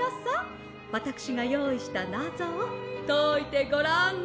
わたくしがよういしたナゾをといてごらんな」。